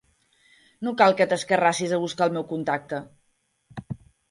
No cal que t'escarrassis a buscar el meu contacte.